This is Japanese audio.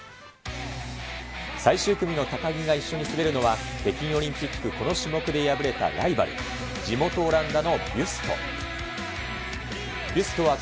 最終組の高木が一緒に滑るのは、北京オリンピックこの種目で敗れたライバル、地元オランダのビュスト。